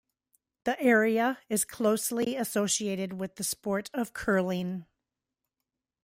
The area is closely associated with the sport of curling.